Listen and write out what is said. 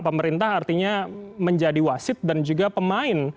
pemerintah artinya menjadi wasit dan juga pemain